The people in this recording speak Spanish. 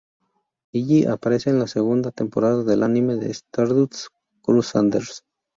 Iggy aparece en las segunda temporadas del anime de Stardust Crusaders.